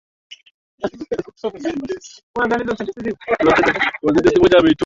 Anatajwa kama mchezaji aliyekamilika zaidi akiwa na nguvu uwezo